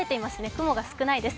雲が少ないです。